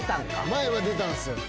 前は出たんす。